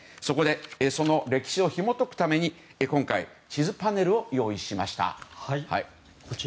そこで、その歴史をひも解くために今回地図パネルを用意しました。